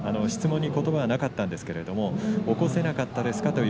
質問に答えはなかったんですけれど起こせなかったですか？